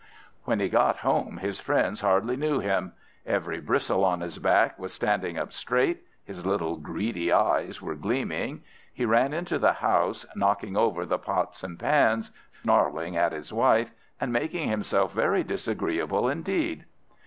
When he got home, his friends hardly knew him. Every bristle on his back was standing up straight; his little greedy eyes were gleaming; he ran into the house, knocking over the pots and pans, snarling at his wife, and making himself very disagreeable indeed.